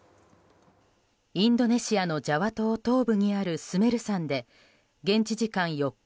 インドネシアのジャワ島東部にあるスメル山で現地時間４日